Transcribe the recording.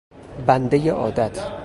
بندهی عادت